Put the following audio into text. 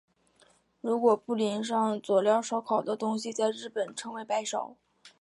如果不淋上佐料烧烤的东西在日本称为白烧。